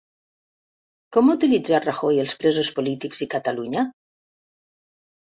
Com ha utilitzat Rajoy els presos polítics i Catalunya?